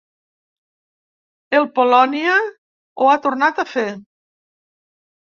El Polònia ho ha tornat a fer.